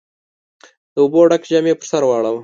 د اوبو ډک جام يې پر سر واړاوه.